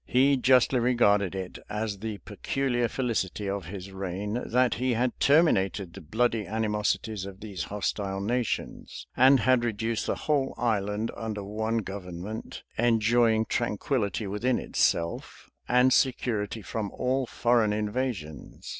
[*] He justly regarded it as the peculiar felicity of his reign, that he had terminated the bloody animosities of these hostile nations; and had reduced the whole island under one government, enjoying tranquillity within itself, and security from all foreign invasions.